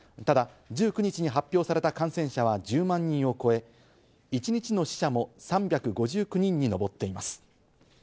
ただ１９日に発表された感染者は１０万人を超え、一日の死者も３５９人に上っています。